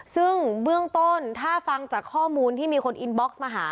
ซึ่งเบื้องต้นถ้าฟังจากข้อมูลที่มีคนอินบ็อกซ์มาหา